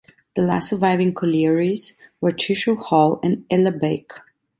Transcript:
The last surviving collieries were Chisnall Hall and Ellerbeck.